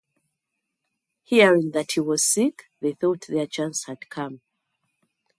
Hearing that he was sick, they thought their chance had come.